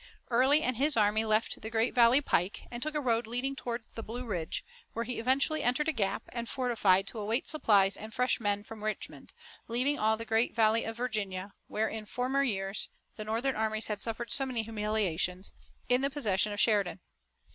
Early and his army left the great valley pike, and took a road leading toward the Blue Ridge, where he eventually entered a gap, and fortified to await supplies and fresh men from Richmond, leaving all the great Valley of Virginia, where in former years the Northern armies had suffered so many humiliations, in the possession of Sheridan.